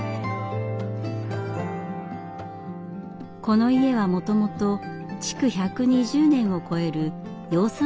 この家はもともと築１２０年を超える養蚕農家でした。